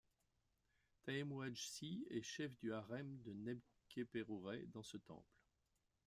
Taemouadjsy est chef du harem de Nebkhéperourê dans ce temple.